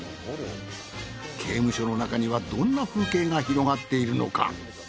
刑務所の中にはどんな風景が広がっているのか？